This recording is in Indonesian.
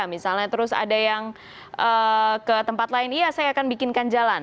misalnya terus ada yang ke tempat lain iya saya akan bikinkan jalan